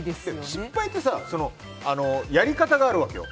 失敗ってさやり方があるわけよ。